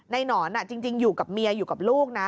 หนอนจริงอยู่กับเมียอยู่กับลูกนะ